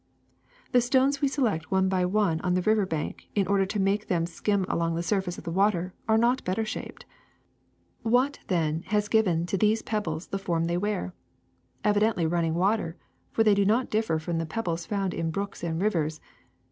The stones we select one by one on the river bank in order to make them skim along the surface of the water are not better shaped. PEBBLES 357 Wliat, then, has given to these pebbles the form they wear ? Evidently running water, for they do not differ from the pebbles found in brooks and rivers.